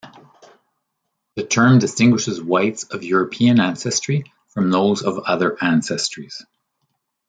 The term distinguishes whites of European ancestry from those of other ancestries.